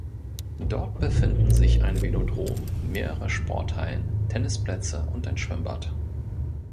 Dort befinden sich ein Velodrom, mehrere Sporthallen, Tennisplätze und ein Schwimmbad.